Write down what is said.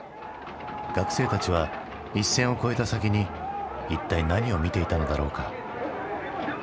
学生たちは一線を越えた先に一体何を見ていたのだろうか？